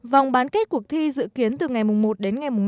vòng bán kết cuộc thi dự kiến từ ngày một đến ngày năm tháng bốn